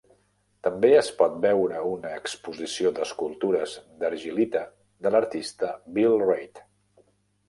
També es pot veure una exposició d'escultures d'argil·lita de l'artista Bill Reid.